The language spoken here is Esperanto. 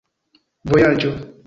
vojaĝo